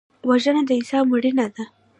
وژنه د انصاف مړینه ده